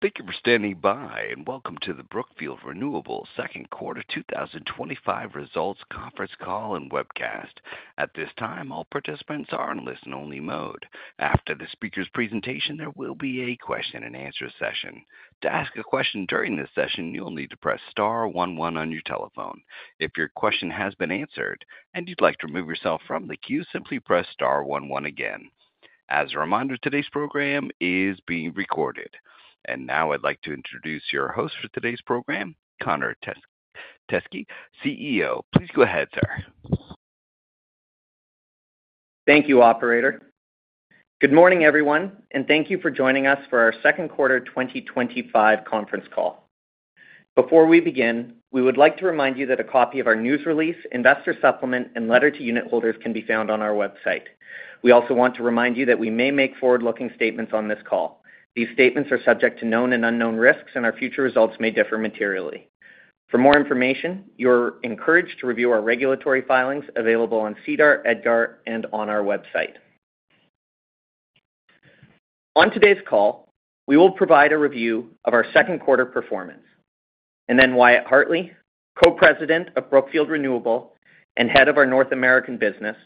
Thank you for standing by and welcome to the Brookfield Renewable Second Quarter 2025 Results Conference Call and Webcast. At this time, all participants are in listen only mode. After the speakers' presentation, there will be a question and answer session. To ask a question during this session, you will need to press star 11 on your telephone. If your question has been answered and you'd like to remove yourself from the queue, simply press star 11 again. As a reminder, today's program is being recorded. Now I'd like to introduce your host for today's program, Connor Teskey, CEO. Please go ahead, sir. Thank you, Operator. Good morning, everyone, and thank you for joining us for our second quarter 2025 conference call. Before we begin, we would like to remind you that a copy of our news release, investor supplement, and letter to unitholders can be found on our website. We also want to remind you that we may make forward-looking statements on this call. These statements are subject to known and unknown risks, and our future results may differ materially. For more information, you are encouraged to review our regulatory filings available on SEDAR, EDGAR, and on our website. On today's call, we will provide a review of our second quarter performance. Then Wyatt Hartley, Co-President of Brookfield Renewable Partners and Head of our North American business,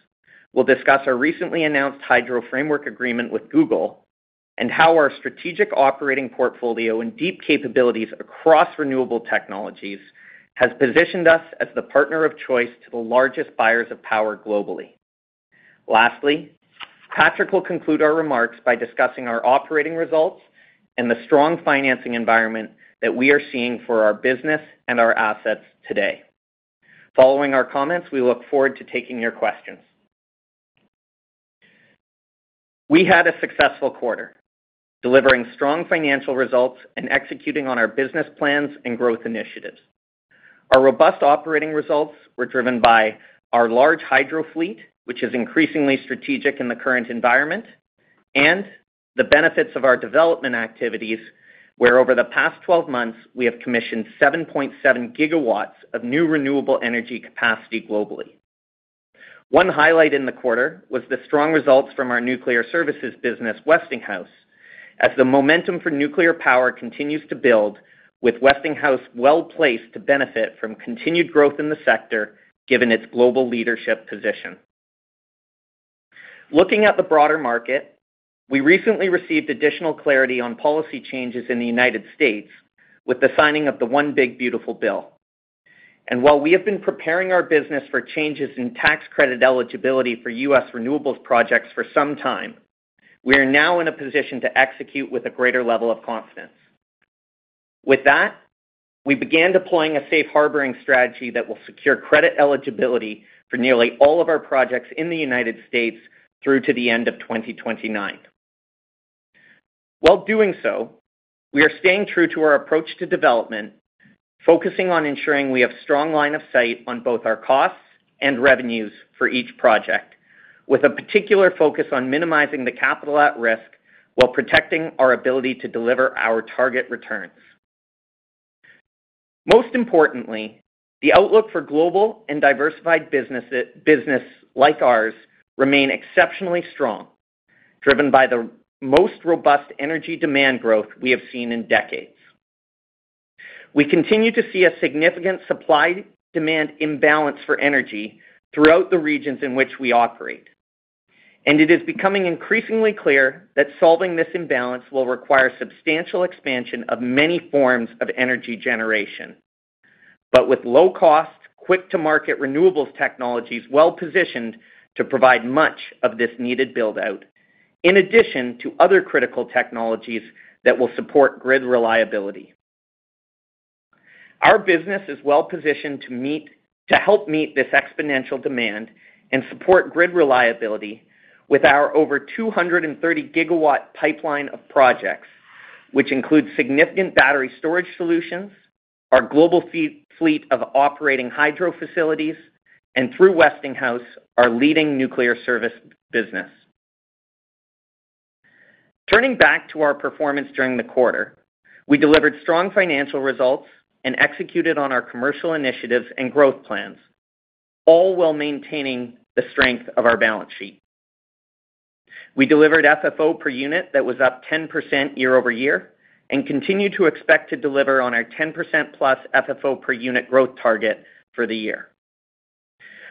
will discuss our recently announced Hydro Framework Agreement with Google and how our strategic operating portfolio and deep capabilities across renewable technologies have positioned us as the partner of choice to the largest buyers of power globally. Lastly, Patrick will conclude our remarks by discussing our operating results and the strong financing environment that we are seeing for our business and our assets today. Following our comments, we look forward to taking your questions. We had a successful quarter delivering strong financial results and executing on our business plans and growth initiatives. Our robust operating results were driven by our large hydro fleet, which is increasingly strategic in the current environment, and the benefits of our development activities, where over the past 12 months we have commissioned 7.7 GW of new renewable energy capacity globally. One highlight in the quarter was the strong results from our nuclear services business, Westinghouse, as the momentum for nuclear power continues to build, with Westinghouse well placed to benefit from continued growth in the sector given its global leadership position. Looking at the broader market, we recently received additional clarity on policy changes in the United States. with the signing of the One Big Beautiful Bill. While we have been preparing our business for changes in tax credit eligibility for U.S. renewables projects for some time, we are now in a position to execute with a greater level of confidence. With that, we began deploying a safe harboring strategy that will secure credit eligibility for nearly all of our projects in the United States through to the end of 2029. While doing so, we are staying true to our approach to development, focusing on ensuring we have strong line of sight on both our costs and revenues for each project, with a particular focus on minimizing the capital at risk while protecting our ability to deliver our target returns. Most importantly, the outlook for global and diversified business like ours remains exceptionally strong, driven by the most robust energy demand growth we have seen in decades. We continue to see a significant supply-demand imbalance for energy throughout the regions in which we operate, and it is becoming increasingly clear that solving this imbalance will require substantial expansion of many forms of energy generation, with low-cost, quick-to-market renewables technologies well positioned to provide much of this needed buildout in addition to other critical technologies that will support grid reliability. Our business is well positioned to help meet this exponential demand and support grid reliability with our over 230 GW pipeline of projects, which include significant battery storage solutions, our global fleet of operating hydro facilities, and through Westinghouse, our leading nuclear service business. Turning back to our performance during the quarter, we delivered strong financial results and executed on our commercial initiatives and growth plans, all while maintaining the strength of our balance sheet. We delivered FFO per unit that was up 10% year-over-year and continue to expect to deliver on our 10%+ FFO per unit growth target for the year.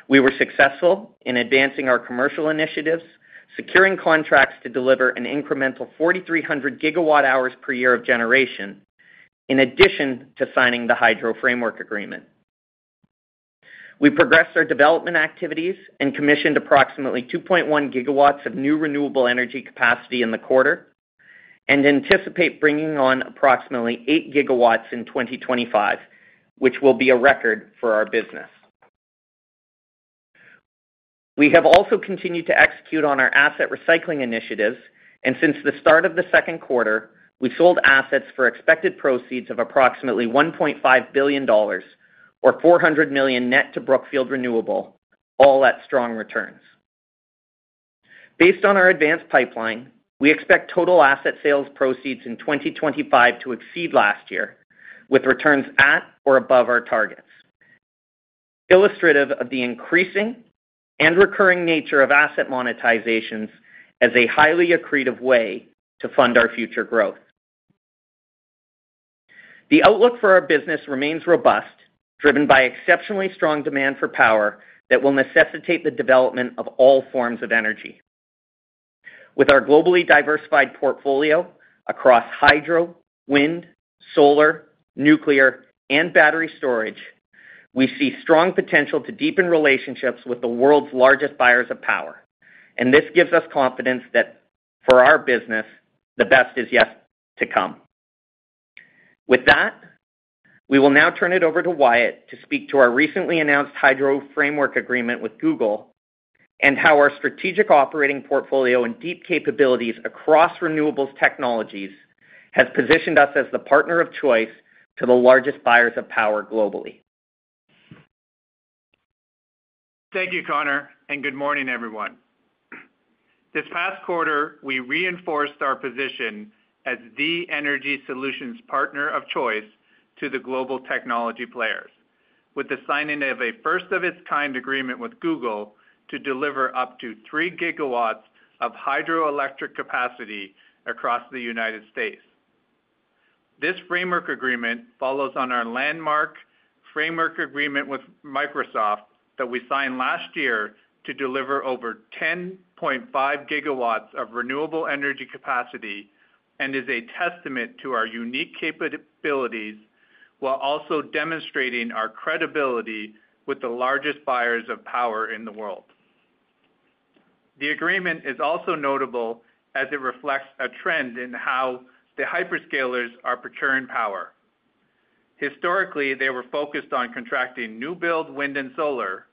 We were successful in advancing our commercial initiatives, securing contracts to deliver an incremental 4,300 GWh per year of generation. In addition to signing the Hydro Framework Agreement, we progressed our development activities and commissioned approximately 2.1 GW of new renewable energy capacity in the quarter and anticipate bringing on approximately 8 GW in 2025, which will be a record for our business. We have also continued to execute on our asset recycling initiatives, and since the start of the second quarter, we sold assets for expected proceeds of approximately $1.5 billion, or $400 million net to Brookfield Renewable, all at strong returns. Based on our advanced pipeline, we expect total asset sales proceeds in 2025 to exceed last year with returns at or above our targets. Illustrative of the increasing and recurring nature of asset monetizations as a highly accretive way to fund our future growth. The. Outlook for our business remains robust, driven by exceptionally strong demand for power that will necessitate the development of all forms of energy with our globally diversified portfolio across hydro, wind, solar, nuclear, and battery storage. We see strong potential to deepen relationships with the world's largest buyers of power, and this gives us confidence that for our business the best is yet to come. With that, we will now turn it over to Wyatt to speak to our recently announced Hydro Framework Agreement with Google and how our strategic operating portfolio and deep capabilities across renewables technologies has positioned us as the partner of choice to the largest buyers of power globally. Thank you, Connor, and good morning, everyone. This past quarter we reinforced our position as the energy solutions partner of choice to the global technology players with the signing of a first-of-its-kind agreement with Google to deliver up to 3 GW of hydroelectric capacity across the United States. This framework agreement follows on our landmark framework agreement with Microsoft that we signed last year to deliver over 10.5 GW of renewable energy capacity and is a testament to our unique capabilities while also demonstrating our credibility with the largest buyers of power in the world. The agreement is also notable as it reflects a trend in how the hyperscalers are procuring power. Historically, they were focused on contracting new-build wind and solar.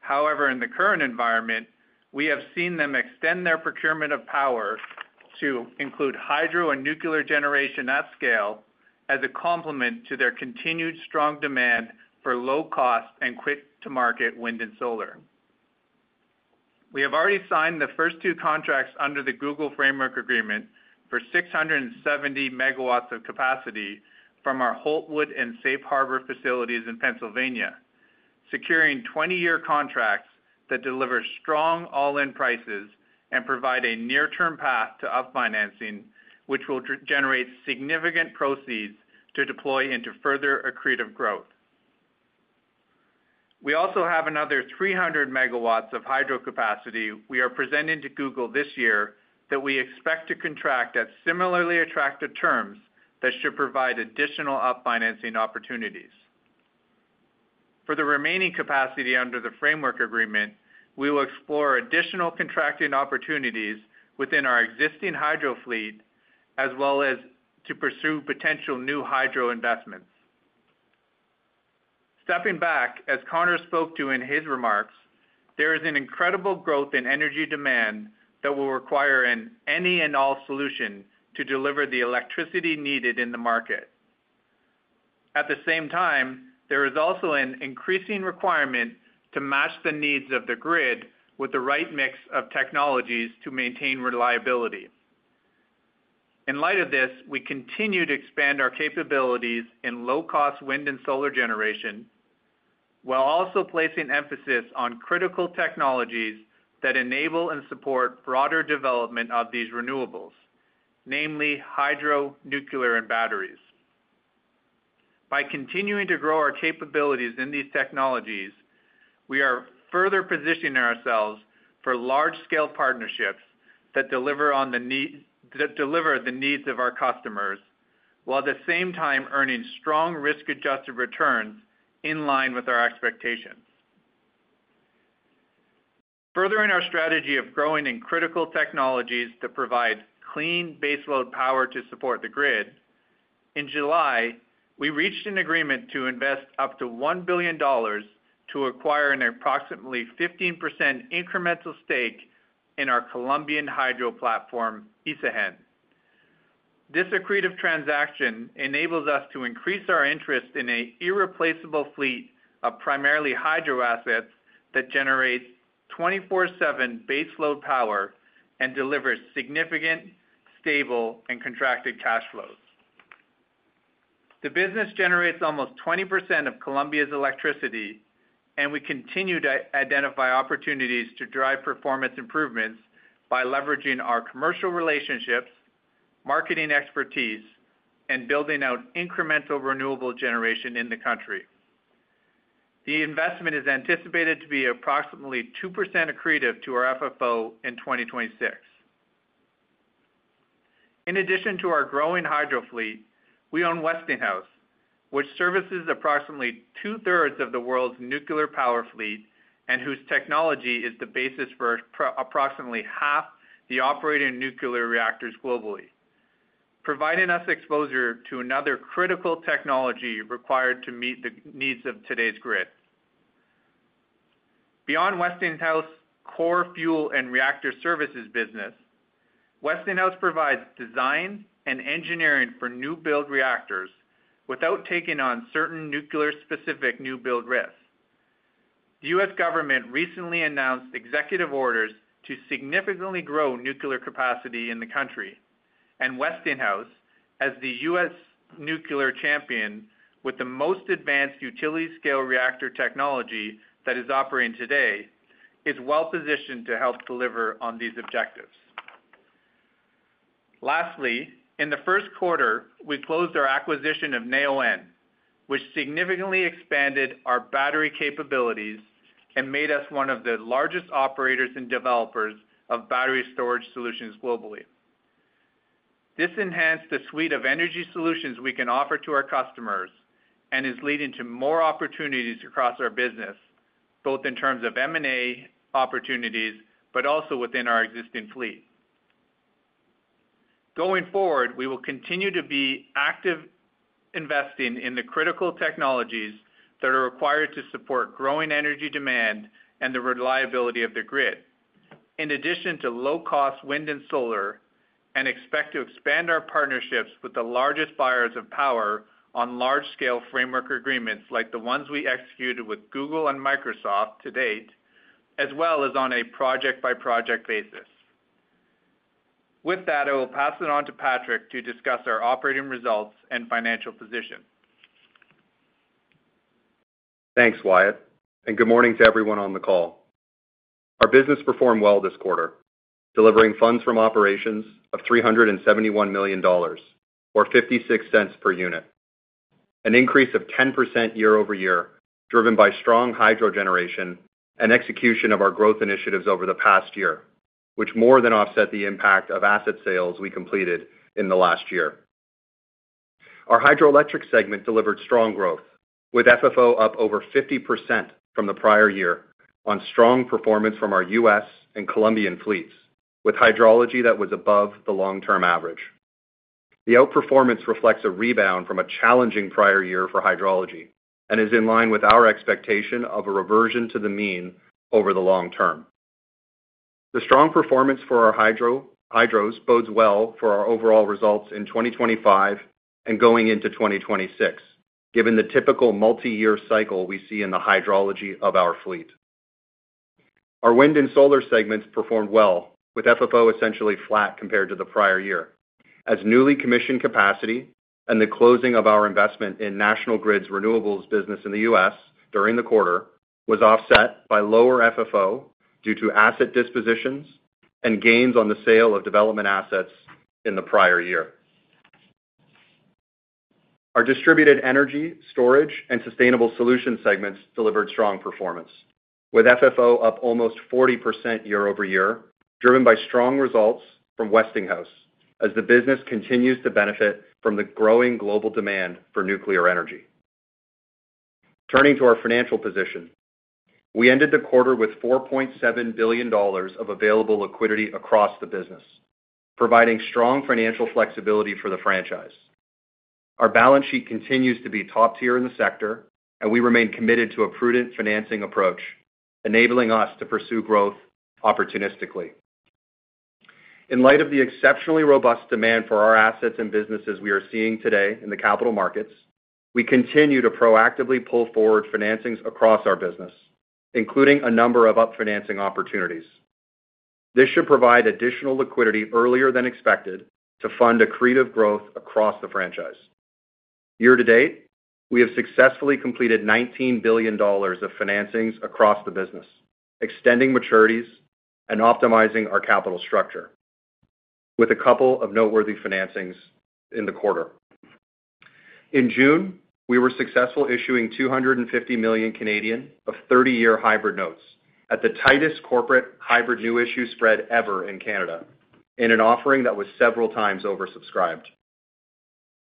However, in the current environment, we have seen them extend their procurement of power to include hydro and nuclear generation at scale as a complement to their continued strong demand for low-cost and quick-to-market wind and solar. We have already signed the first two contracts under the Google framework agreement for 670 MW of capacity from our Holtwood and Safe Harbor facilities in Pennsylvania, securing 20-year contracts that deliver strong all-in prices and provide a near-term path to up financing, which will generate significant proceeds to deploy into further accretive growth. We also have another 300 MW of hydro capacity we are presenting to Google this year that we expect to contract at similarly attractive terms that should provide additional up financing opportunities. For the remaining capacity, under the framework agreement, we will explore additional contracting opportunities within our existing hydro fleet as well as pursue potential new hydro investments. Stepping back, as Connor spoke to in his remarks, there is an incredible growth in energy demand that will require an any-and-all solution to deliver the electricity needed in the market. At the same time, there is also an increasing requirement to match the needs of the grid with the right mix of technologies to maintain reliability. In light of this, we continue to expand our capabilities in low-cost wind and solar generation while also placing emphasis on critical technologies that enable and support broader development of these renewables, namely hydro, nuclear, and batteries. By continuing to grow our capabilities in these technologies, we are further positioning ourselves for large-scale partnerships that deliver the needs of our customers while at the same time earning strong risk-adjusted returns in line with our expectations, furthering our strategy of growing in critical technologies to provide clean baseload power to support the grid. In July, we reached an agreement to invest up to $1 billion to acquire an approximately 15% incremental stake in our Colombian hydro platform Isagen. This accretive transaction enables us to increase our interest in an irreplaceable fleet of primarily hydro assets that generate 24/7 baseload power and deliver significant stable and contracted cash flows. The business generates almost 20% of Colombia's electricity, and we continue to identify opportunities to drive performance improvements by leveraging our commercial relationships, marketing expertise, and building out incremental renewable generation in the country. The investment is anticipated to be approximately 2% accretive to our FFO in 2026. In addition to our growing hydro fleet, we own Westinghouse, which services approximately two thirds of the world's nuclear power fleet and whose technology is the basis for approximately half the operating nuclear reactors globally, providing us exposure to another critical technology required to meet the needs of today's grid. Beyond Westinghouse core fuel and reactor services business, Westinghouse provides design and engineering for new build reactors without taking on certain nuclear-specific new build risks. The U.S. government recently announced executive orders to significantly grow nuclear capacity in the country, and Westinghouse, as the U.S. nuclear champion with the most advanced utility-scale reactor technology that is operating today, is well positioned to help deliver on these objectives. Lastly, in the first quarter, we closed our acquisition of Neoen, which significantly expanded our battery capabilities and made us one of the largest operators and developers of battery storage solutions globally. This enhanced the suite of energy solutions we can offer to our customers and is leading to more opportunities across our business, both in terms of M&A opportunities but also within our existing fleet. Going forward, we will continue to be active investing in the critical technologies that are required to support growing energy demand and the reliability of the grid, in addition to low-cost wind and solar, and expect to expand our partnerships with the largest buyers of power on large-scale framework agreements like the ones we executed with Google and Microsoft to date, as well as on a project-by-project basis. With that, I will pass it on to Patrick to discuss our operating results and financial position. Thanks Wyatt and good morning to everyone on the call. Our business performed well this quarter, delivering funds from operations of $371 million or $0.56 per unit, an increase of 10% year over year driven by strong hydro generation and execution of our growth initiatives over the past year, which more than offset the impact of asset sales we completed in the last year. Our Hydroelectric segment delivered strong growth with FFO up over 50% from the prior year on strong performance from our U.S. and Colombian fleets with hydrology that was above the long-term average. The outperformance reflects a rebound from a challenging prior year for hydrology and is in line with our expectation of a reversion to the mean over the long term. The strong performance for our hydros bodes well for our overall results in 2025 and going into 2026, given the typical multi-year cycle we see in the hydrology of our fleet. Our wind and solar segments performed well with FFO essentially flat compared to the prior year, as newly commissioned capacity and the closing of our investment in National Grid's renewables business in the U.S. during the quarter was offset by lower FFO due to asset dispositions and gains on the sale of development assets in the prior year. Our distributed energy storage and sustainable solutions segments delivered strong performance with FFO up almost 40% year over year, driven by strong results from Westinghouse as the business continues to benefit from the growing global demand for nuclear energy. Turning to our financial position, we ended the quarter with $4.7 billion of available liquidity across the business, providing strong financial flexibility for the franchise. Our balance sheet continues to be top tier in the sector, and we remain committed to a prudent financing approach, enabling us to pursue growth opportunistically in light of the exceptionally robust demand for our assets and businesses we are seeing today in the capital markets. We continue to proactively pull forward financings across our business, including a number of up financing opportunities. This should provide additional liquidity earlier than expected to fund accretive growth across the franchise. Year-to-date, we have successfully completed $19 billion of financings across the business, extending maturities and optimizing our capital structure with a couple of noteworthy financings in the quarter. In June we were successful issuing 250 million of 30-year hybrid notes at the tightest corporate hybrid new issue spread ever in Canada in an offering that was several times oversubscribed.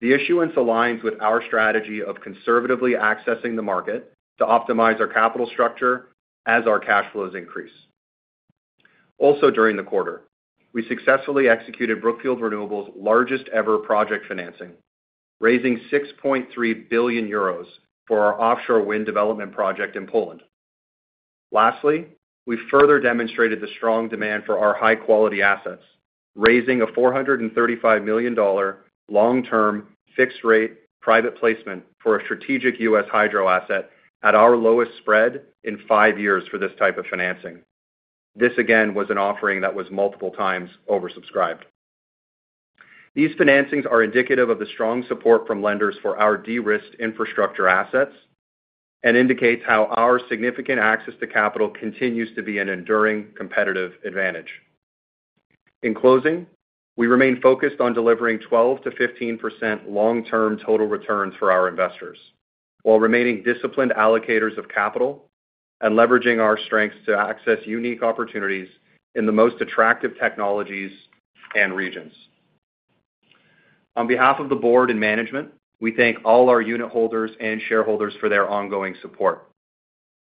The issuance aligns with our strategy of conservatively accessing the market to optimize our capital structure as our cash flows increase. Also during the quarter we successfully executed Brookfield Renewable's largest ever project financing, raising 6.3 billion euros for our offshore wind development project in Poland. Lastly, we further demonstrated the strong demand for our high-quality assets, raising a $435 million long-term fixed rate private placement for a strategic U.S. hydro asset at our lowest spread in five years for this type of financing. This again was an offering that was multiple times oversubscribed. These financings are indicative of the strong support from lenders for our de-risked infrastructure assets and indicate how our significant access to capital continues to be an enduring competitive advantage. In closing, we remain focused on delivering 12% to 15% long-term total returns for our investors while remaining disciplined allocators of capital and leveraging our strengths to access unique opportunities in the most attractive technologies and regions. On behalf of the Board and management, we thank all our unitholders and shareholders for their ongoing support.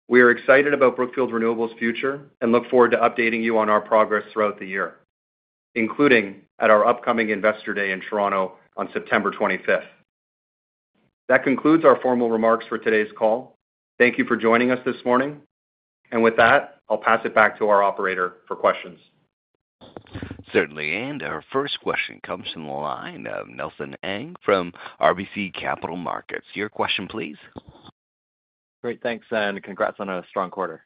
We are excited about Brookfield Renewable's future and look forward to updating you on our progress throughout the year, including at our upcoming Investor Day in Toronto on September 25th. That concludes our formal remarks for today's call. Thank you for joining us this morning and with that I'll pass it back to our operator for questions. Certainly. Our first question comes from the line of Nelson Ng from RBC Capital Markets. Your question please. Great, thanks and congrats on a strong quarter.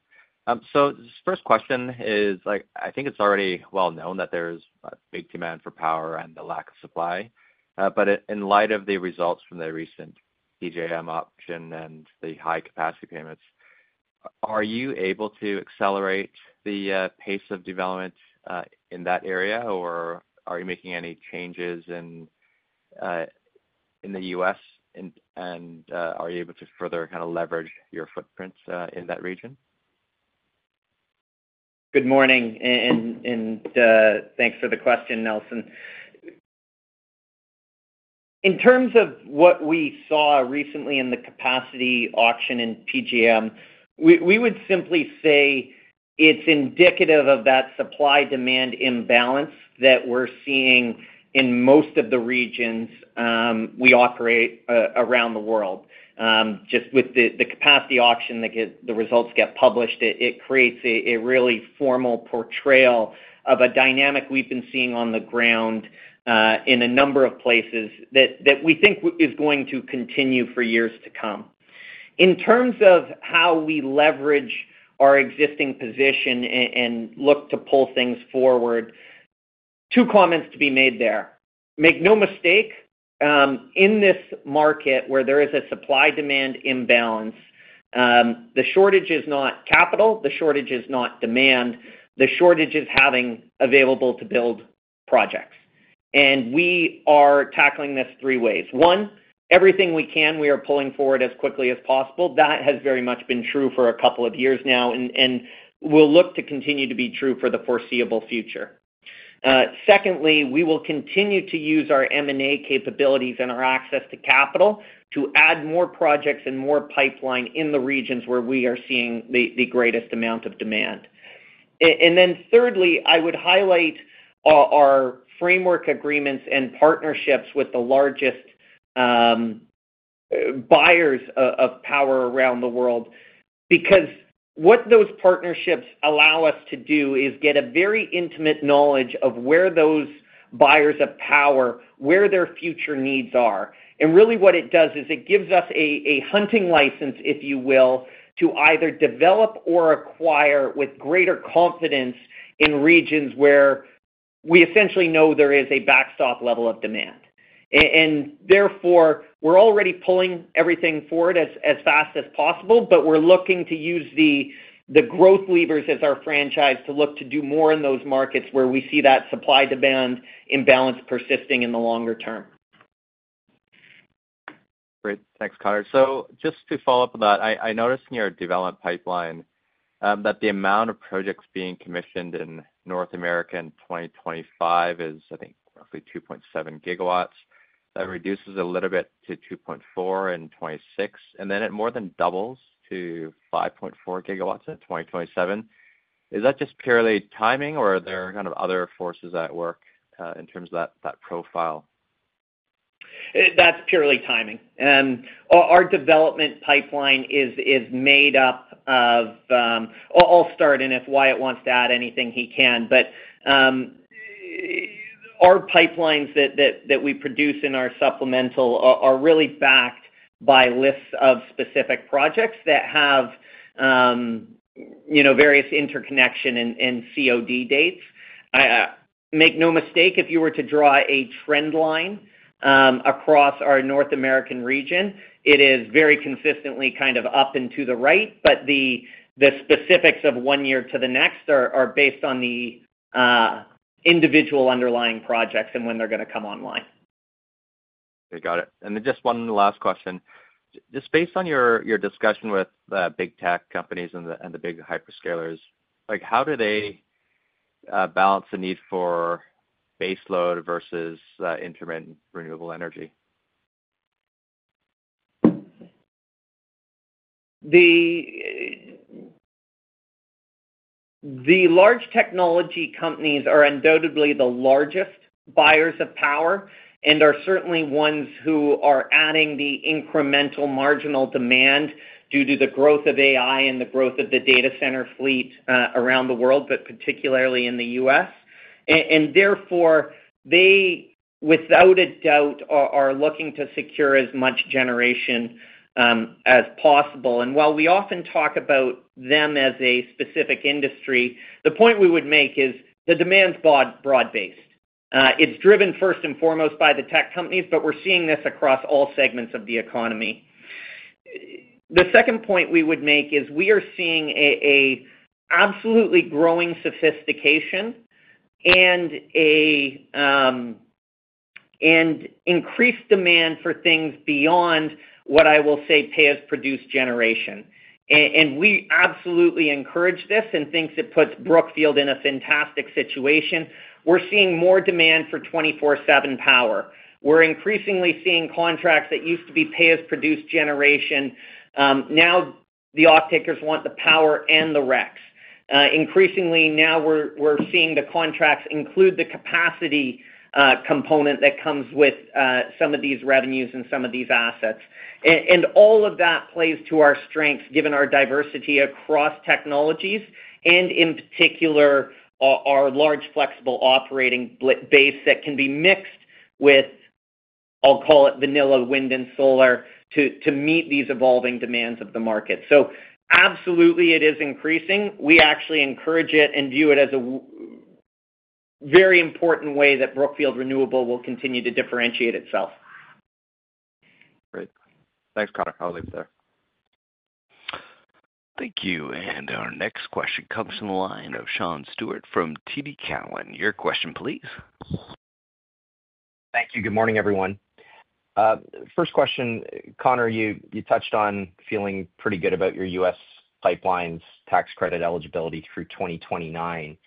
First question is, I think it's already well known that there's big demand for power and the lack of supply, but in light of the results from the recent PJM option and the high capacity payments, are you able to accelerate the pace of development in that area or are you making any changes in the U.S. and are you able to further leverage your footprint in that region? Good morning and thanks for the question, Nelson. In terms of what we saw recently in the capacity auction in PJM, we would simply say it's indicative of that supply-demand imbalance that we're seeing in most of the regions we operate around the world. With the capacity auction, the results get published, and it creates a really formal portrayal of a dynamic we've been seeing on the ground in a number of places that we think is going to continue for years to come. In terms of how we leverage our existing position and look to pull things forward. Two comments to be made there. Make no mistake, in this market where there is a supply-demand imbalance, the shortage is not capital, the shortage is not demand. The shortage is having available-to-build projects. We are tackling this three ways. One, everything we can, we are pulling forward as quickly as possible. That has very much been true for a couple of years now and will look to continue to be true for the foreseeable future. Secondly, we will continue to use our M&A capabilities and our access to capital to add more projects and more pipeline in the regions where we are seeing the greatest amount of demand. Thirdly, I would highlight our framework agreements and partnerships with the largest buyers of power around the world. What those partnerships allow us to do is get a very intimate knowledge of where those buyers of power, where their future needs are. What it does is it gives us a hunting license, if you will, to either develop or acquire with greater confidence in regions where we essentially know there is a backstop level of demand. Therefore, we are already pulling everything forward as fast as possible. We are looking to use the growth levers as our framework to look to do more in those markets where we see that supply-demand imbalance persisting in the longer term. Great. Thanks, Connor. Just to follow up on that. I noticed in your development pipeline that the amount of projects being commissioned in North America in 2025 is, I think, roughly 2.7 GW. That reduces a little bit to 2.4 in 2026, and then it more than doubles to 5.4 GW in 2027. Is that just purely timing, or are there other forces at work in terms of that profile? That's purely timing. Our development pipeline is made up of, -- I'll start and if Wyatt wants to add anything, he can. Our pipelines that we produce in our supplemental are really backed by lists of specific projects that have various interconnection and COD dates. Make no mistake, if you were to draw a trend line across our North American region, it is very consistently kind of up and to the right. The specifics of one year to the next are based on the individual underlying projects and when they are going to come online. Got it. Just one last question, based on your discussion with big tech companies and the big hyperscalers, how do they balance the need for baseload versus intermittent renewable energy? The large technology companies are undoubtedly the largest buyers of power and are certainly ones who are adding the incremental marginal demand due to the growth of AI and the growth of the data center fleet around the world, particularly in the U.S., and therefore they without a doubt are looking to secure as much generation as possible. While we often talk about them as a specific industry, the point we would make is the demand is broad based. It's driven first and foremost by the tech companies, but we're seeing this across all segments of the economy. The second point we would make is we are seeing an absolutely growing sophistication and increased demand for things beyond what I will say pay as produced generation. We absolutely encourage this and think it puts Brookfield in a fantastic situation. We're seeing more demand for 24/7 power. We're increasingly seeing contracts that used to be pay as produced generation. Now the offtakers want the power and the RECs. Increasingly now we're seeing the contracts include the capacity component that comes with some of these revenues and some of these assets. All of that plays to our strengths given our diversity across technologies and in particular our large, flexible operating base that can be mixed with, -- I'll call it, vanilla wind and solar to meet these evolving demands of the market. It is increasing. We actually encourage it and view it as a very important way that Brookfield Renewable Partners will continue to differentiate itself. Great. Thanks, Connor. I'll leave it there. Thank you. Our next question comes from the line of Sean Steuart from TD Cowen. Your question, please. Thank you. Good morning, everyone. First question. Connor, you touched on feeling pretty good about your U.S. pipeline's tax credit eligibility through 2029.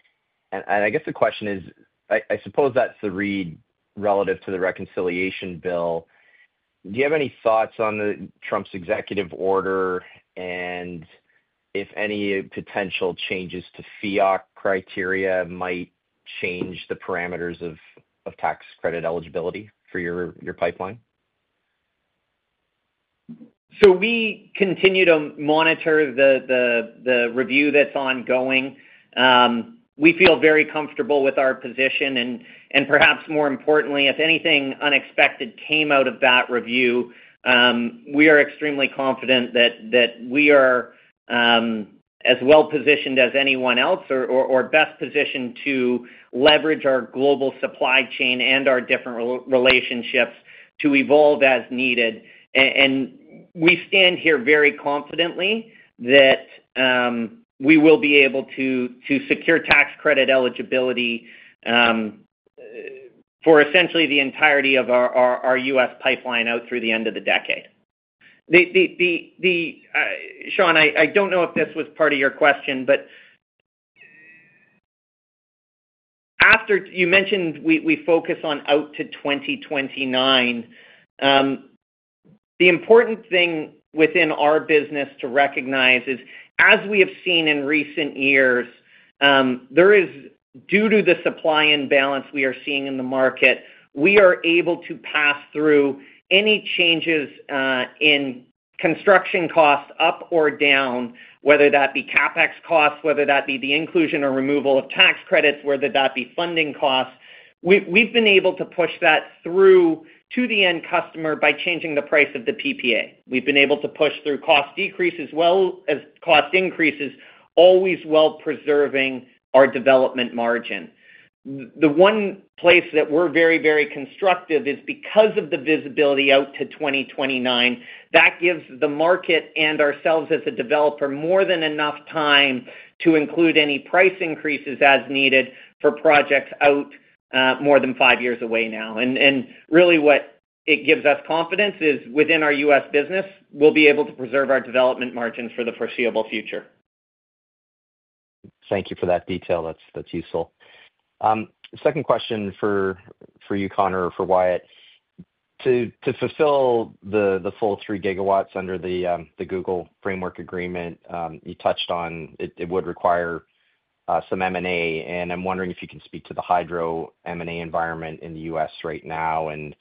I guess the question is, I suppose that's the read relative to the reconciliation bill. Do you have any thoughts on Trump's executive order and if any potential changes to FIAC criteria might change the parameters of tax credit eligibility for your pipeline? We continue to monitor the review that's ongoing. We feel very comfortable with our position and, perhaps more importantly, if anything unexpected came out of that review, we are extremely confident that we are as well positioned as anyone else or best positioned to leverage our global supply chain and our different relationships to evolve as needed. We stand here very confidently that we will be able to secure tax credit eligibility for essentially the entirety of our U.S. pipeline out through the end of the decade. Sean, I don't know if this was part of your question, but after you mentioned we focus out to 2029, the important thing within our business to recognize is, as we have seen in recent years, due to the supply imbalance we are seeing in the market, we are able to pass through any changes in construction costs up or down, whether that be CapEx costs, whether that be the inclusion or removal of tax credits, whether that be funding costs. We've been able to push that through to the end customer by changing the price of the PPA. We've been able to push through cost decreases as well as cost increases, always preserving our development margin. The one place that we're very, very constructive is because of the visibility out to 2029 that gives the market and ourselves as a developer more than enough time to include any price increases as needed for projects out more than five years away now. Really, what it gives us confidence in is within our U.S. business, we'll be able to preserve our development margins for the foreseeable future. Thank you for that detail. That's useful. Second question for you, Connor, or for Wyatt. To fulfill the full 3 GW under the Google framework agreement you touched on, it would require some M&A. I'm wondering if you can speak to the hydro M&A environment in the U.S. right now and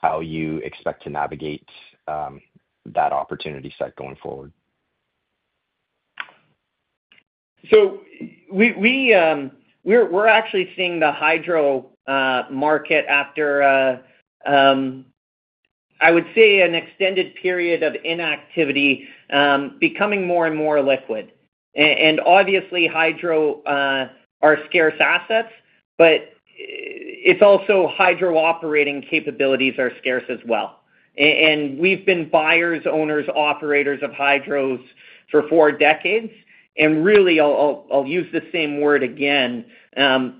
how you expect to navigate that opportunity set going forward. We're actually seeing the hydro market, after -- I would say an extended period of inactivity, becoming more and more liquid. Obviously, hydro are scarce assets, but also hydro operating capabilities are scarce as well. We've been buyers, owners, operators of hydros for four decades. Really, I'll use the same word again.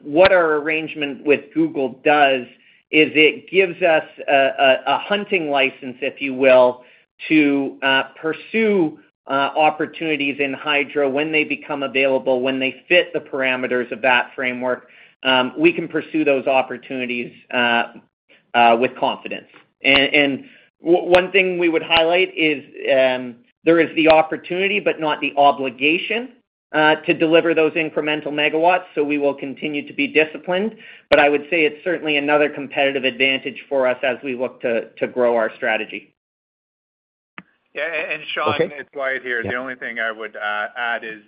What our arrangement with Google does is it gives us a hunting license, if you will, to pursue opportunities in hydro when they become available. When they fit the parameters of that framework, we can pursue those opportunities with confidence. One thing we would highlight is there is the opportunity, but not the obligation, to deliver those incremental megawatts. We will continue to be disciplined, but I would say it's certainly another competitive advantage for us as we look to grow our strategy. Sean, it's Wyatt here. The only thing I would add is,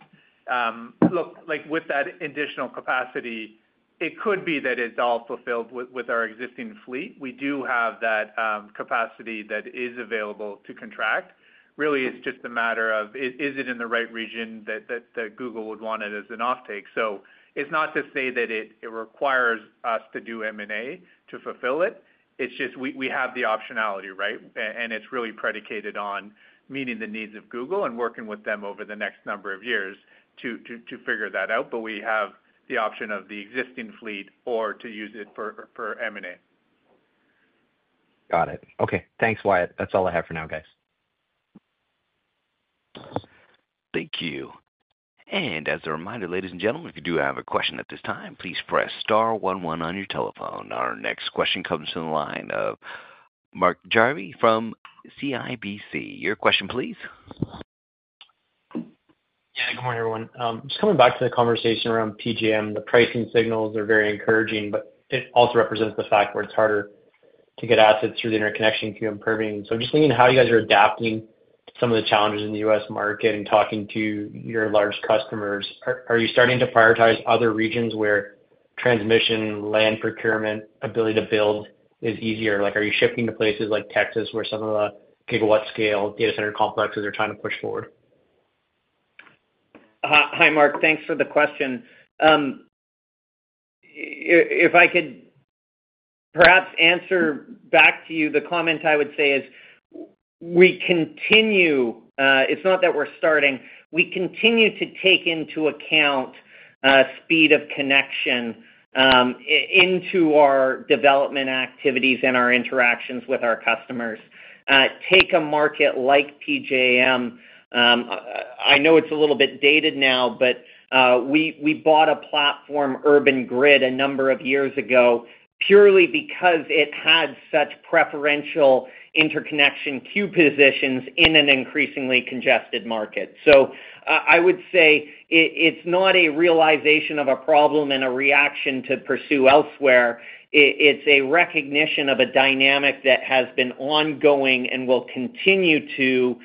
look, with that additional capacity, it could be that it's all fulfilled with our existing fleet. We do have that capacity that is available to contract. Really, it's just a matter of is it in the right region that Google would want it as an offtake? It's not to say that it requires us to do M&A to fulfill it. We have the optionality, right? It's really predicated on meeting the needs of Google and working with them over the next number of years to figure that out. We have the option of the existing fleet or to use it for M&A. Got it. Okay. Thanks, Wyatt. That's all I have for now, guys. Thank you. As a reminder, ladies and gentlemen, if you do have a question at this time, please press star 11 on your telephone. Our next question comes to the line of Mark Jarvi from CIBC. Your question, please. Good morning, everyone. Just coming back to the conversation around PJM. The pricing signals are very encouraging, but it also represents the fact where it's harder to get assets through the interconnection queue in Permian. I'm just thinking how you guys are adapting some of the challenges in the U.S. market and talking to your large customers. Are you starting to prioritize other regions where transmission, land procurement, and ability to build is easier? Like, are you shifting to places like Texas where some of the gigawatt scale data center complexes are trying to push forward? Hi Mark, thanks for the question. If I could perhaps answer back to you. The comment I would say is we continue. It's not that we're starting. We continue to take into account speed of connection into our development activities and our interactions with our customers. Take a market like PJM. I know it's a little bit dated now, but we bought a platform Urban Grid a number of years ago purely because it had such preferential interconnection queue positions in an increasingly congested market. I would say it's not a realization of a problem and a reaction to pursue elsewhere. It's a recognition of a dynamic that has been ongoing and will continue to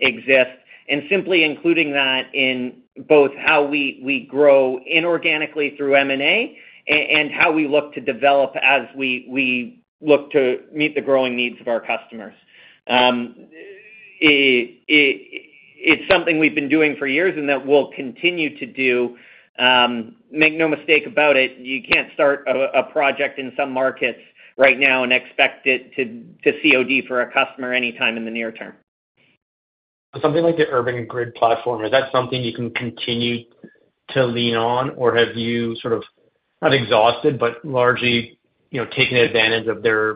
exist and simply including that in both how we grow inorganically through M&A and how we look to develop as we look to meet the growing needs of our customers. It's something we've been doing for years and that we'll continue to do. Make no mistake about it, you can't start a project in some markets right now and expect it to COD for a customer anytime in the near term. Something like the Urban Grid platform is. That is something you can continue to lean on. Have you sort of not exhausted but largely taken advantage of their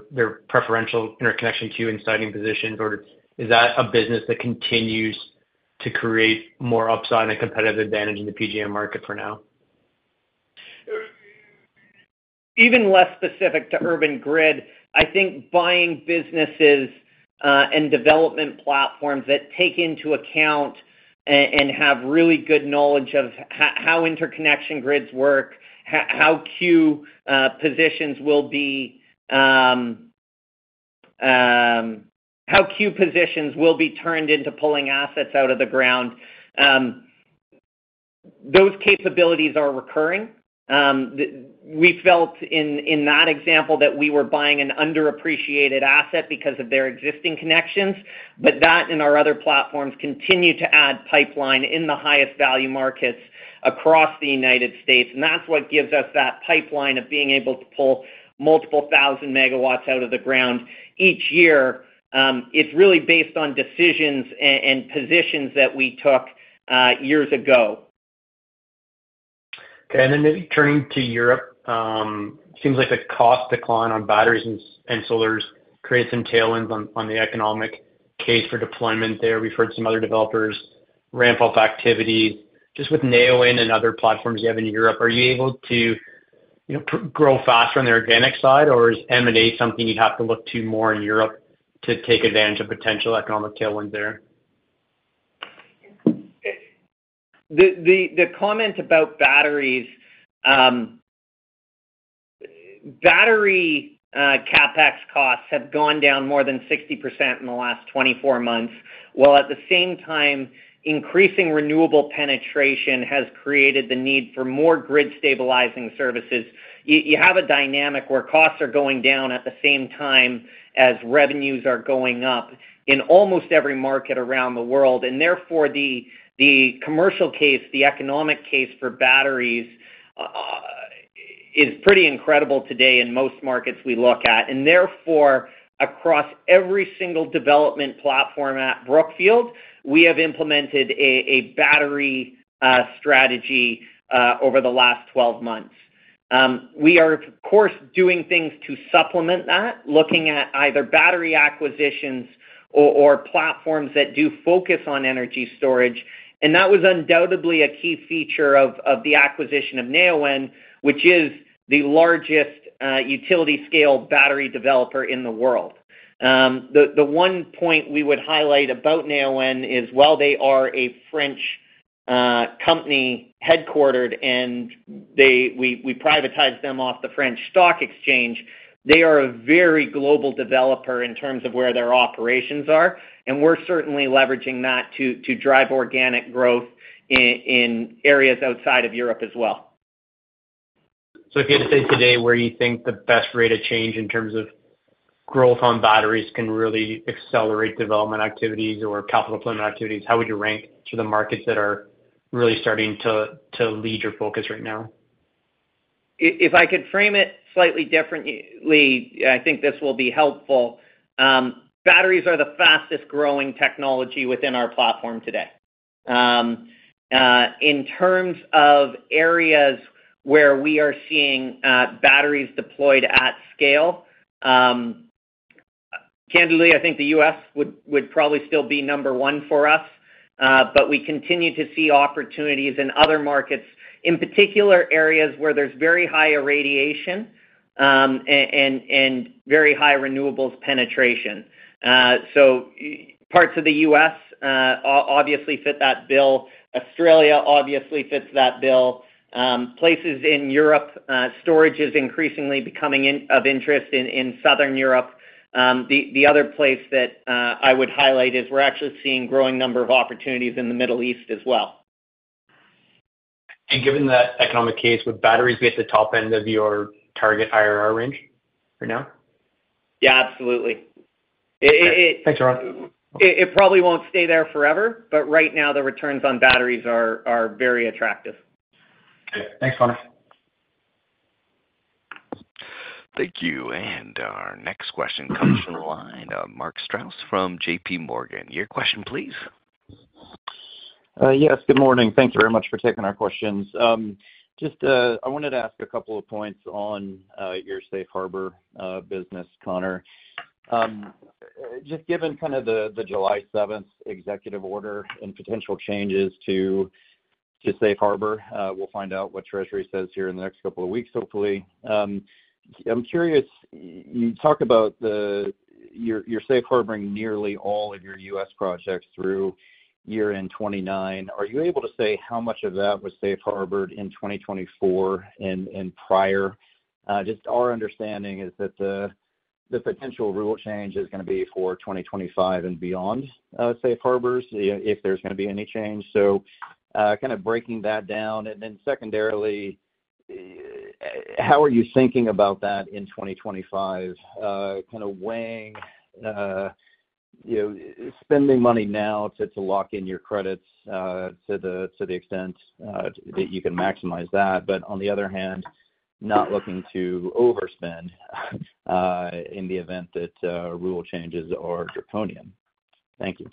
preferential interconnection queue and siting positions, or is that a business that continues to create more upside and competitive advantage in the PJM market for now? Even less specific to Urban Grid, I think buying businesses and development platforms that take into account and have really good knowledge of how interconnection grids work, how queue positions will be, -- how queue positions will be turned into pulling assets out of the ground, those capabilities are recurring. We felt in that example that we were buying an underappreciated asset because of their existing connections. That and our other platforms continue to add pipeline in the highest value markets across the United States, and that's what gives us that pipeline of being able to pull multiple thousand megawatts out of the ground each year. It's really based on decisions and positions that we took years ago. Turning to Europe, it seems like the cost decline on batteries and solar has created some tailwinds on the economic case for deployment there. We've heard some other developers ramp up activity just with Neoen and other platforms you have in Europe. Are you able to grow faster on the organic side, or is M&A something you'd have to look to more in Europe to take advantage of potential economic tailwinds there? The comment about batteries. Battery CapEx costs have gone down more than 60% in the last 24 months, while at the same time increasing renewable penetration has created the need for more grid stabilizing services. You have a dynamic where costs are going down at the same time as revenues are going up in almost every market around the world. Therefore, the commercial case, the economic case for batteries is pretty incredible. Today in most markets we look at and therefore across every single development platform. At Brookfield, we have implemented a battery strategy over the last 12 months. We are of course doing things to supplement that, looking at either battery acquisitions or platforms that do focus on energy storage. That was undoubtedly a key feature of the acquisition of Neoen, which is the largest utility scale battery developer in the world. The one point we would highlight about Neoen is while they are a French company headquartered and we privatized them off the French stock exchange, they are a very global developer in terms of where their operations are and we're certainly leveraging that to drive organic growth in areas outside of Europe as well. If you had to say today where you think the best rate of change in terms of growth on batteries can really accelerate development activities or capital deployment activities, how would you rank the markets that are really starting to lead your focus right now? If I could frame it slightly differently, I think this will be helpful. Batteries are the fastest growing technology within our platform today in terms of areas where we are seeing batteries deployed at scale. Candidly, I think the U.S. would probably still be number one for us, but we continue to see opportunities in other markets, in particular areas where there's very high irradiation and very high renewables penetration. Parts of the U.S. obviously fit that bill. Australia obviously fits that bill. Places in Europe, storage is increasingly becoming of interest in Southern Europe. The other place that I would highlight is we're actually seeing a growing number of opportunities in the Middle East as well. Given that economic case, would batteries be at the top end of your target IRR range for now? Yeah, absolutely. Thanks, Ron. It probably won't stay there forever, but right now the returns on batteries are very attractive. Thanks Connor. Thank you. Our next question comes from the line of Mark Strouse from JP Morgan. Your question, please. Yes, good morning. Thank you very much for taking our questions. I wanted to ask a couple of points on your safe harbor business. Connor, just given the July 7 executive order and potential changes to safe harbor, we'll find out what treasury says here in the next couple of weeks, hopefully. I'm curious, you talk about that you're safe harboring nearly all of your U.S. projects through year end 2029. Are you able to say how much? Of that was safe harbored in 2024 and prior? Just our understanding is that the potential rule change is going to be for 2025 and beyond safe harbors if there's. Going to be any change. Kind of breaking that down, and then secondarily, how are you thinking about that in 2025, weighing spending money now to lock in your credits to the extent that you can maximize that, but on the other hand, not looking to overspend in the event that rule changes are draconian. Thank you.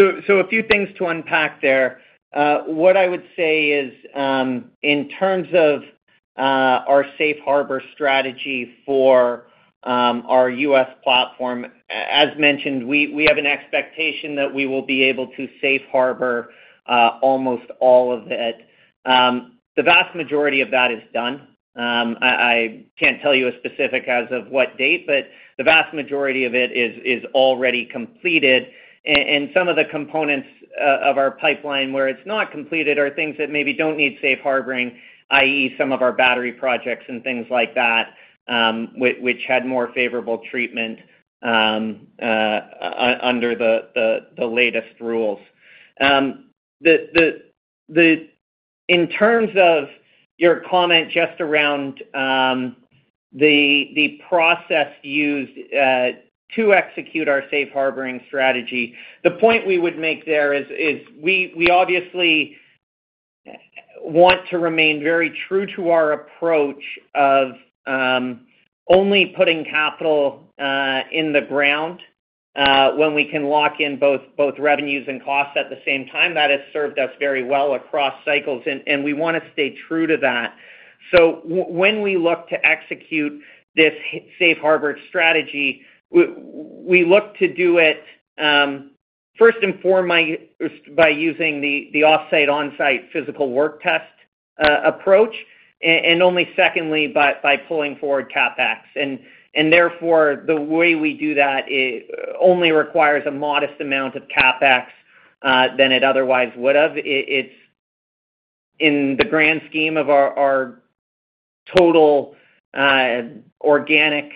A few things to unpack there. What I would say is in terms of our safe harbor strategy for our U.S. platform, as mentioned, we have an expectation that we will be able to safe harbor almost all of it. The vast majority of that is done. I can't tell you a specific as of what date, but the vast majority of it is already completed. Some of the components of our pipeline where it's not completed are things that maybe don't need safe harboring, that is some of our battery projects and things like that which had more favorable treatment under the latest rules. In terms of your comment just around the process used to execute our safe harboring strategy, the point we would make there is we obviously want to remain very true to our approach of only putting capital in the ground when we can lock in both revenues and costs at the same time. That has served us very well across cycles and we want to stay true to that. When we look to execute this safe harbor strategy, we look to do it first by using the off-site on-site physical work test approach and only secondly by pulling forward CapEx, and therefore the way we do that only requires a modest amount of CapEx than it otherwise would have. It's in the grand scheme of our total organic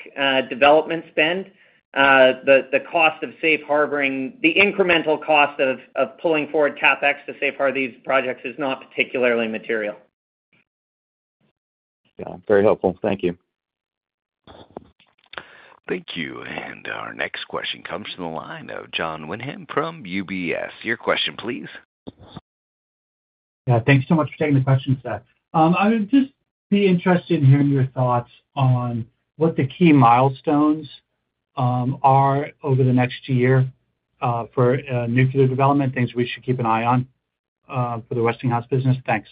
development spend. The cost of safe harboring, the incremental cost of pulling forward CapEx to safe harbor these projects, is not particularly material. Very helpful. Thank you. Thank you. Our next question comes from the line of Jon Windham from UBS. Your question please. Thanks so much for taking the question, Seth. I'd be interested in hearing your. Thoughts on what the key milestones are over the next year for nuclear development, things we should keep an eye on for the Westinghouse business. Thanks.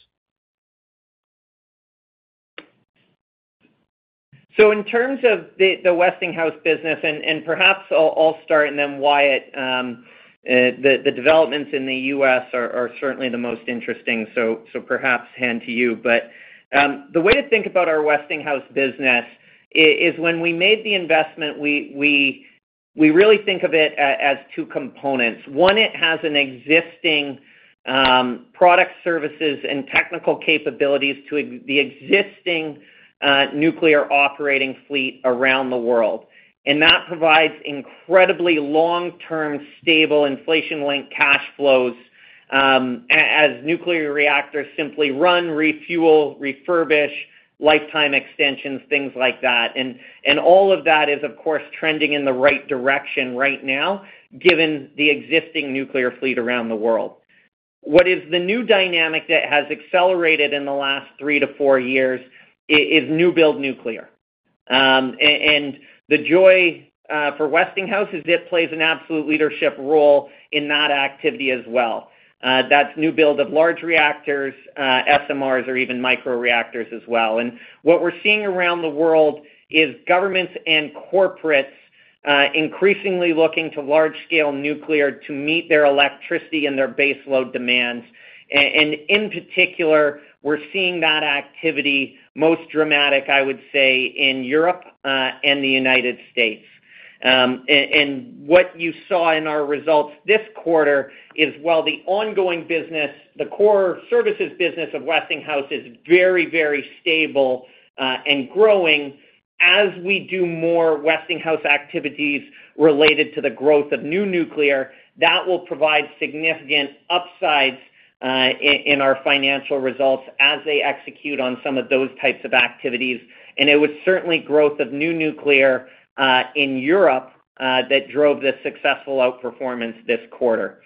In terms of the Westinghouse business, and perhaps I'll start and then Wyatt, the developments in the U.S. are certainly the most interesting. The way to think about our Westinghouse business is when we made the investment, we really think of it as two components. One, it has an existing product, services, and technical capabilities to the existing nuclear operating fleet around the world. That provides incredibly long-term, stable, inflation-linked cash flows as nuclear reactors simply run, refuel, refurbish, lifetime extensions, things like that. All of that is of course trending in the right direction right now given the existing nuclear fleet around the world. What is the new dynamic that has accelerated in the last three to four years is new build nuclear. The joy for Westinghouse is it plays an absolute leadership role in that activity as well. That's new build of large reactors, SMRs, or even microreactors as well. What we're seeing around the world is governments and corporates increasingly looking to large-scale nuclear to meet their electricity and their baseload demands. In particular, we're seeing that activity most dramatic, I would say, in Europe and the United States. What you saw in our results this quarter is while the ongoing business, the core services business of Westinghouse, is very, very stable and growing, as we do more Westinghouse activities related to the growth of new nuclear, that will provide significant upsides in our financial results as they execute on some of those types of activities. It was certainly growth of new nuclear in Europe that drove this successful outperformance this quarter.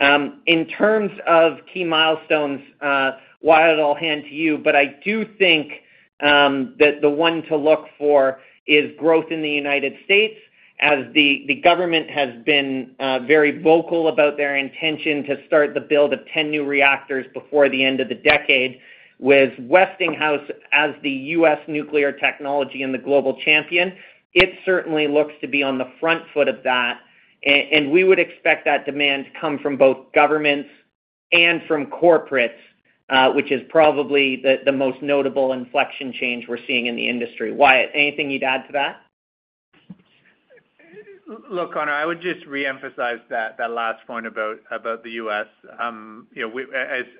In terms of key milestones, I do think that the one to look for is growth in the United States as the government has been very vocal about their intention to start the build of 10 new reactors before the end of the decade. With Westinghouse as the U.S. nuclear technology and the global champion, it certainly looks to be on the front foot of that. We would expect that demand to come from both governments and from corporates, which is probably the most notable inflection change we're seeing in the industry. Wyatt, anything you'd add to that? Look, Connor, I would just reemphasize that last point about the U.S.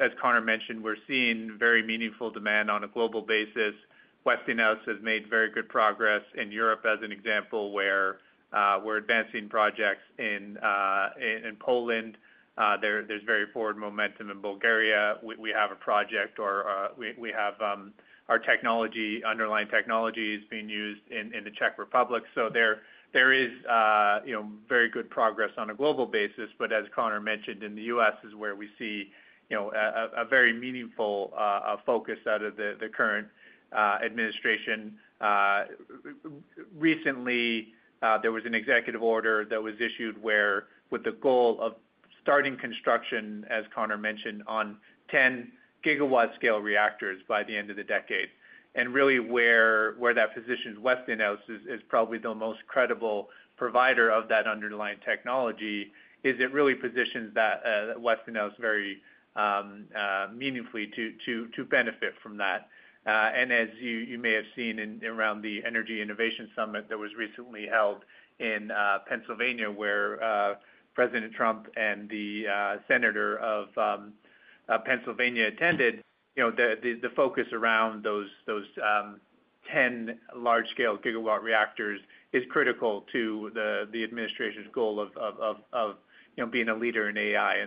as Connor mentioned, we're seeing very meaningful demand on a global basis. Westinghouse has made very good progress in Europe as an example, where we're advancing projects in Poland, there's very forward momentum in Bulgaria. We have our technology, underlying technologies being used in the Czech Republic. There is very good progress on a global basis. As Connor mentioned, in the U.S. is where we see a very meaningful focus out of the current administration. Recently there was an executive order that was issued with the goal of starting construction, as Connor mentioned, on 10 GW scale reactors by the end of the decade. Where that positions Westinghouse as probably the most credible provider of that underlying technology is it really positions Westinghouse very meaningfully to benefit from that. As you may have seen around the Energy Innovation Summit that was recently held in Pennsylvania where President Trump and the Senator of Pennsylvania attended, the focus around those 10 GW large scale reactors is critical to the administration's goal of being a leader in AI.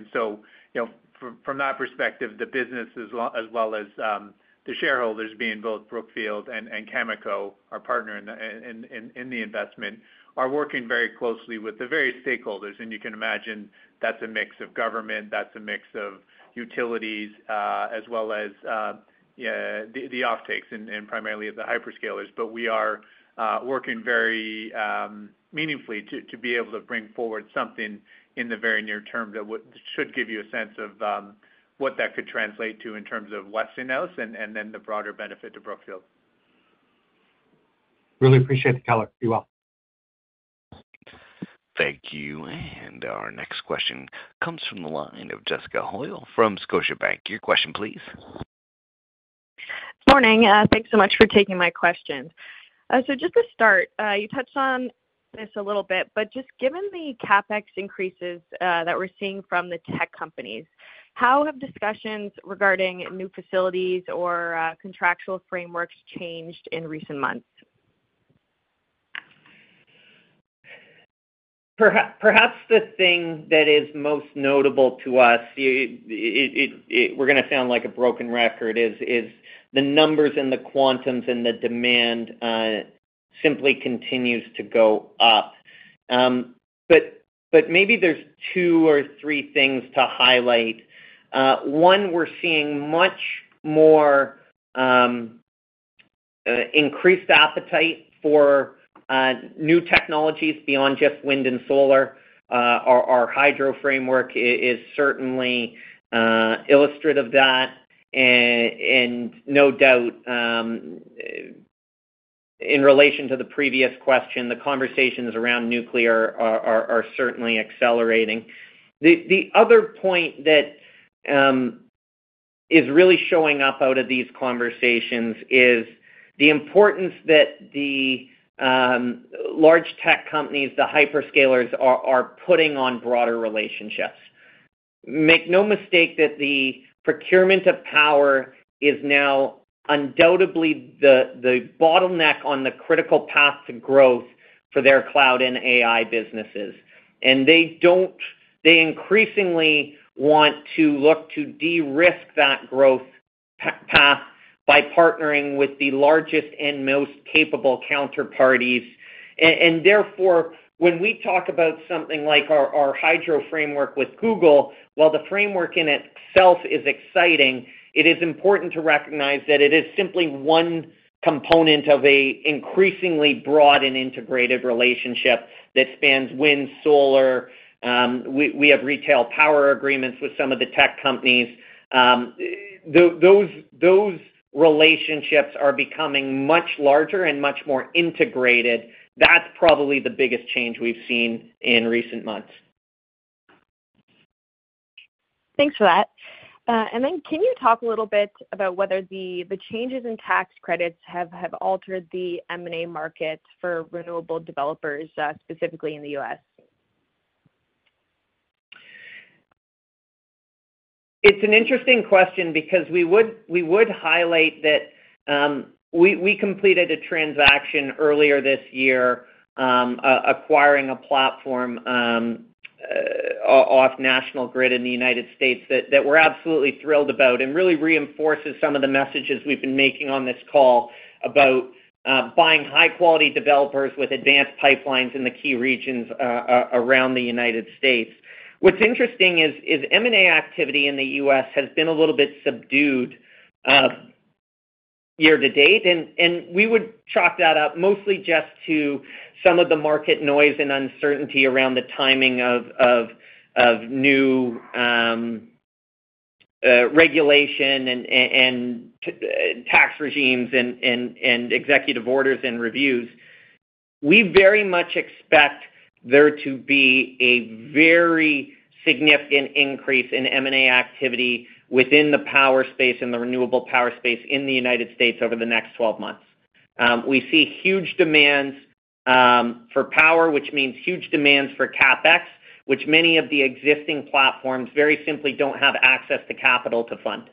From that perspective, the business as well as the shareholders, being both Brookfield and Cameco, our partner in the investment, are working very closely with the various stakeholders. You can imagine that's a mix of government, that's a mix of utilities, as well as the offtakes and primarily the hyperscalers. We are working very meaningfully to be able to bring forward something in the very near term that should give you a sense of what that could translate to in terms of Westinghouse and then the broader benefit to Brookfield. Really appreciate the color. You're welcome. Thank you. Our next question comes from the line of Jessica Hoyle from Scotiabank. Your question please. Good morning. Thanks so much for taking my questions. Just to start, you touched on, but given the CapEx increases that we're seeing from the tech companies, how have discussions regarding new facilities or contractual frameworks changed in recent months? Perhaps the thing that is most notable to us, we're going to sound like a broken record, is the numbers and the quantums and the demand simply continues to go up. Maybe there's two or three things to highlight. One, we're seeing much more increased appetite for new technologies beyond just wind and solar. Our Hydro Framework is certainly illustrative. That, and no doubt in relation to the previous question, the conversations around nuclear are certainly accelerating. The other point that is really showing up out of these conversations is the importance that the large tech companies, the hyperscalers, are putting on broader relationships. Make no mistake that the procurement of power is now undoubtedly the bottleneck on the critical path to growth for their cloud and AI businesses. They increasingly want to look to de-risk that growth path by partnering with the largest and most capable counterparties. Therefore, when we talk about something like our Hydro Framework with Google, while the framework in itself is exciting, it is important to recognize that it is simply one component of an increasingly broad and integrated relationship that spans wind, solar. We have retail power agreements with some of the tech companies. Those relationships are becoming much larger and much more integrated. That is probably the biggest change we have seen in recent months. Thanks for that. Can you talk a little bit about whether the changes in tax credits have altered the M&A market for renewable developers, specifically in the U.S.? It's an interesting question because we would highlight that, we completed a transaction earlier this year acquiring a platform off National Grid in the United States that we're absolutely thrilled about and really reinforces some of the messages we've been making on this call about buying high quality developers with advanced pipelines in the key regions around the United States. What's interesting is M&A activity in the U.S. has been a little bit subdued year-to-date and we would chalk that up mostly just to some of the market noise and uncertainty around the timing of new regulation and tax regimes and executive orders and reviews. We very much expect there to be a very significant increase in M&A activity within the power space in the renewable power space in the United States over the next 12 months. We see huge demands for power, which means huge demands for CapEx, which many of the existing platforms very simply don't have access to capital to fund.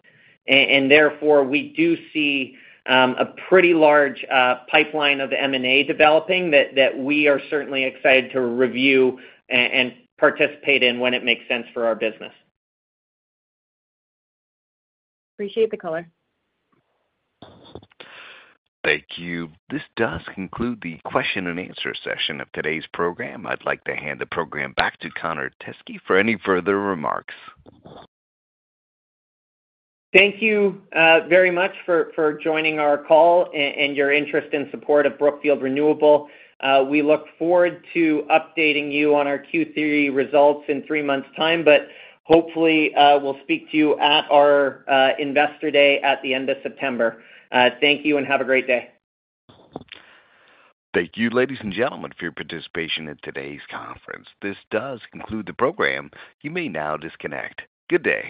Therefore, we do see a pretty large pipeline of M&A developing that we are certainly excited to review and participate in when it makes sense for our business. Appreciate the color. Thank you. This does conclude the question and answer session of today's program. I'd like to hand the program back to Connor Teskey for any further remarks. Thank you very much for joining our call and your interest in support of Brookfield Renewable. We look forward to updating you on our Q3 results in three months' time, but hopefully we'll speak to you at our Investor Day at the end of September. Thank you and have a great day. Thank you, ladies and gentlemen, for your participation in today's conference. This does conclude the program. You may now disconnect. Good day.